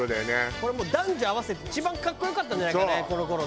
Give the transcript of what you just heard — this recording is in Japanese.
これもう男女合わせて一番格好良かったんじゃないかねこの頃ね。